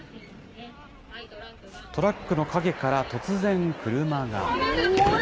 トラックの陰から突然車が。